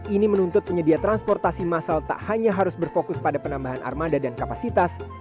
ini menuntut penyedia transportasi masal tak hanya harus berfokus pada penambahan armada dan kapasitas